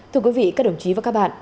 thưa quý vị các đồng chí và các bạn